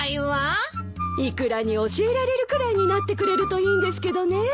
イクラに教えられるくらいになってくれるといいんですけどねえ。